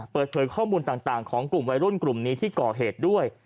เปิดเผยข้อมูลต่างของกลุ่มวัยรุ่นกลุ่มนี้ที่ก่อเหตุด้วย